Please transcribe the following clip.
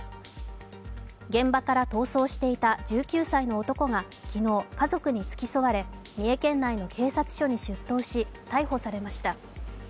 現場から逃走していた１９歳の男が昨日、家族に付き添われ三重県内の警察署に出頭し逮捕されました。